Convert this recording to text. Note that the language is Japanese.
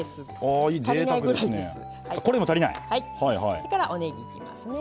それからおねぎいきますね。